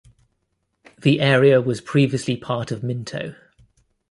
The area was previously part of Minto.